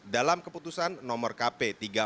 dalam keputusan nomor kp tiga ratus empat puluh delapan